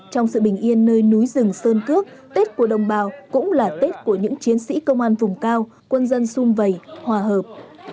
trong sự bình yên nơi núi rừng sơn cước tết của đồng bào cũng là tết của những chiến sĩ công an vùng cao quân dân xung vầy hòa hợp